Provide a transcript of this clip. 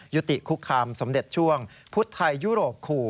ยุติคุกคามสมเด็จช่วงพุทธไทยยุโรปขู่